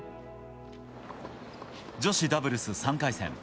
女子ダブルス３回戦。